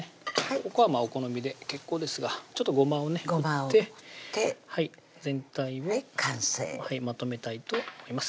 ここはお好みで結構ですがちょっとごまをね振ってごまを振って全体をまとめたいと思います